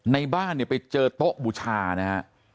ในบ้านไปเจอโต๊ะบุชาธุ์นะฮะ